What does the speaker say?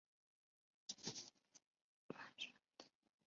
白斑角鲨是卵胎生的。